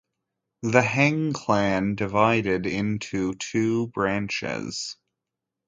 The Heng clan divided into two branches.